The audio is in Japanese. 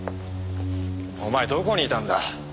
お前どこにいたんだ？